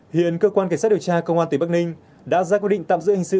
hiện cơ quan cảnh sát điều tra công an tỉnh bắc ninh đã ra quyết định tạm giữ hình sự